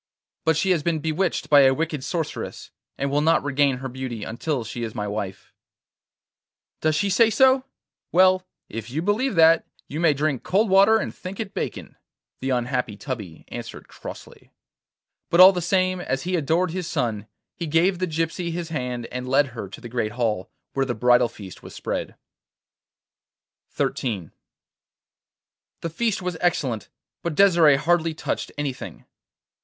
'But she has been bewitched by a wicked sorceress, and will not regain her beauty until she is my wife.' 'Does she say so? Well, if you believe that, you may drink cold water and think it bacon,' the unhappy Tubby answered crossly. But all the same, as he adored his son, he gave the gypsy his hand and led her to the great hall, where the bridal feast was spread. XIII The feast was excellent, but Desire hardly touched anything.